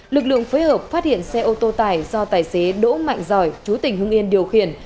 lực lượng phối hợp phát hiện xe ô tô tải do tài xế đỗ mạnh giỏi chú tỉnh hưng yên điều khiển